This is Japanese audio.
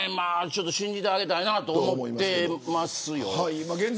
信じてあげたいなと思ってますよ。